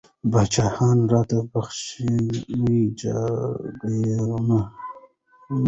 پاچاهان را ته بخښي لوی جاګیرونه